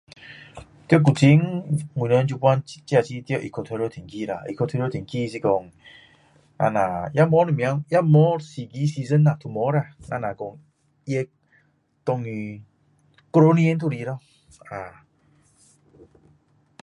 在古晋我们现在在 equoternal 的天气这 equal Ternal 也没有什么啦也没有什么四个 season 都没有啦只有说热下雨整年都是